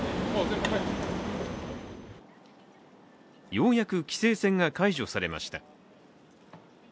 ようやく規制線が解除されました。